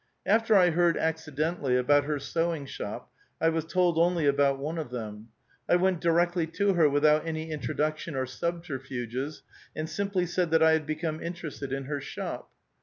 After I heard accidentally about her sewing shop, I was told only about one of them. I went directl}' to her without any in troduction or subterfuges, and simply said that I had become interested in her shop.